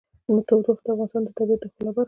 تودوخه د افغانستان د طبیعت د ښکلا برخه ده.